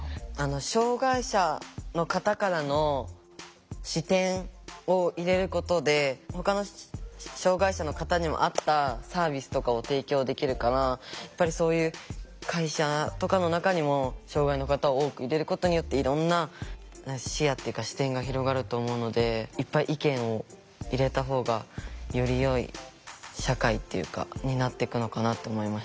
障害者の方からの視点を入れることでほかの障害者の方にも合ったサービスとかを提供できるからやっぱりそういう会社とかの中にも障害の方を多く入れることによっていろんな視野っていうか視点が広がると思うのでいっぱい意見を入れたほうがよりよい社会っていうかになっていくのかなって思いました。